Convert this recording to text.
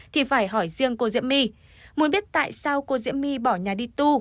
thì phải hỏi riêng cô diễm my muốn biết tại sao cô diễm my bỏ nhà đi tu